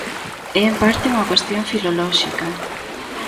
É en parte unha cuestión filolóxica.